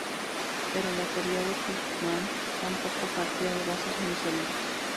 Pero la teoría de Kauffmann tampoco partía de bases muy sólidas.